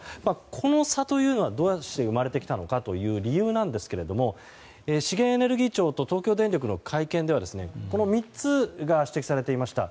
この差というのはどうして生まれてきたのかという理由なんですが資源エネルギー庁と東京電力の会見では、この３つが指摘されていました。